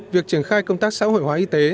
việc triển khai công tác xã hội hóa y tế